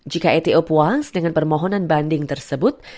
jika eto puas dengan permohonan banding tersebut